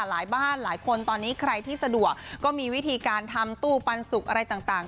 หลายบ้านหลายคนตอนนี้ใครที่สะดวกก็มีวิธีการทำตู้ปันสุกอะไรต่าง